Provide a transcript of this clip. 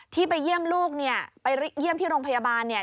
ที่ไปเยี่ยมลูกเนี่ยไปเยี่ยมที่โรงพยาบาลเนี่ย